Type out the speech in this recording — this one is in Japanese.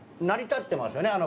成り立ってますよね